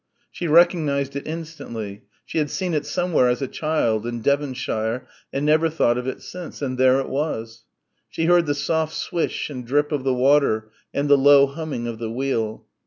She recognised it instantly. She had seen it somewhere as a child in Devonshire and never thought of it since and there it was. She heard the soft swish and drip of the water and the low humming of the wheel.